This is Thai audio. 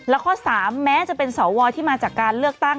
และข้อ๓แม้จะเป็นสวที่มาจากการเลือกตั้ง